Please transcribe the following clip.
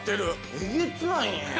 えげつないね！